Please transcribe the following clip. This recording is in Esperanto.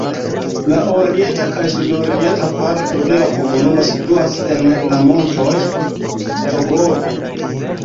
La orienta kaj sudorienta parto de la komunumo situas en la montoj Stogovo.